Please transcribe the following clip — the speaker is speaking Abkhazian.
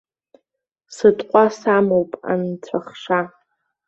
Сыҭҟәа самоуп анцәахша.